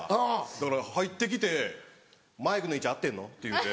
だから入って来て「マイクの位置合ってんの？」って言うて。